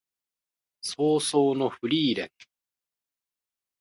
葬送のフリーレン